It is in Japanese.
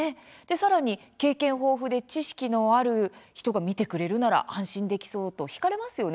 さらに経験豊富で知識のある人が見てくれるなら安心できそうと聞かれますよね。